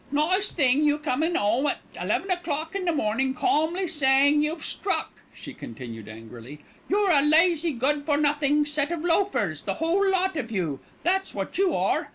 "Nice thing you coming 'ome at eleven o'clock in the morning calmly saying you've struck," she continued angrily. "You're a lazy, good for nothing set of loafers, the whole lot of you, that's what you are.